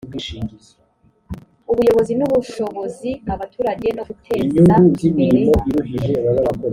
ubuyobozi n ubushobozi abaturage no gutezaimbere